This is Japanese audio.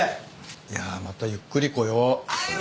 いやまたゆっくり来よう。